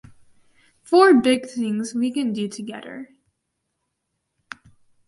Four big things we can do together.